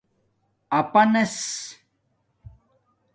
آپانس